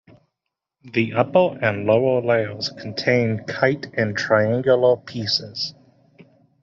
The upper and lower layers contain kite and triangular pieces.